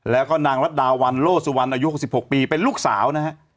แล้วก็นางรัดดาวันโลสุวรรณอายุ๖๖ปีเป็นลูกสาวนะฮะ